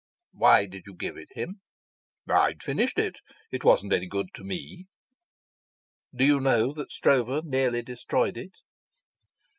"Why did you give it him?" "I'd finished it. It wasn't any good to me." "Do you know that Stroeve nearly destroyed it?"